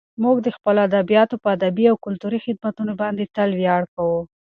موږ د خپلو ادیبانو په ادبي او کلتوري خدمتونو باندې تل ویاړ کوو.